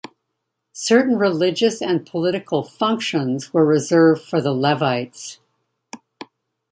Certain religious and political functions were reserved for the Levites.